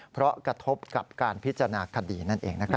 เพราะกระทบกับการพิจารณาคดีนั่นเองนะครับ